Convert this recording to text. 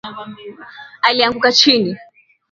Alianguka chini